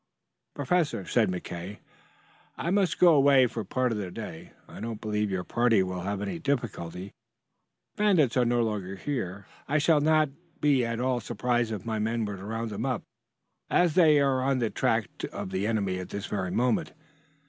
"Professor," said McKay, "I must go away for part of the day. I do not believe your party will have any difficulty. The bandits are no longer here. I should not be at all surprised if my men were to round them up, as they are on the track of the enemy at this very moment.